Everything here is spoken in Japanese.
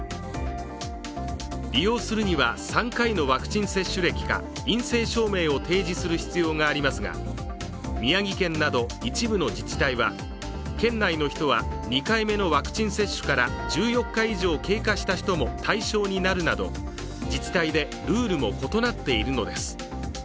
利用するには３回のワクチン接種歴か陰性証明を提示する必要がありますが宮城県など一部の自治体は県内の人は２回目のワクチン接種から１４日以上経過した人も対象になるなど自治体でルールも異なっているのです。